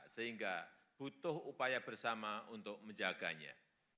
sehingga butuh upaya bersama untuk menjaganya